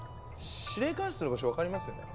司令官室の場所分かりますよね？